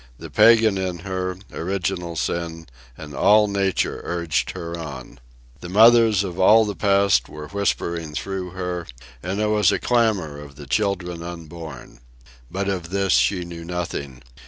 The pagan in her, original sin, and all nature urged her on. The mothers of all the past were whispering through her, and there was a clamour of the children unborn. But of this she knew nothing.